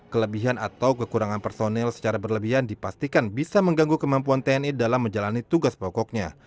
kelebihan atau kekurangan personel secara berlebihan dipastikan bisa mengganggu kemampuan tni dalam menjalani tugas pokoknya